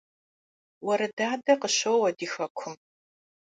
Уэрыдадэ къыщоуэ ди хэкум